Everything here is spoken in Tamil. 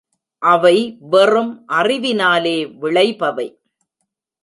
அவை வெறும் அறிவினாலே விளைபவை.